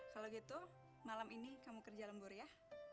kalau gitu malam ini kamu kerja lembur ya